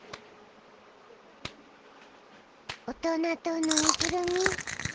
大人とぬいぐるみ。